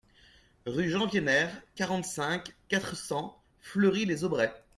Rue Jean Wiener, quarante-cinq, quatre cents Fleury-les-Aubrais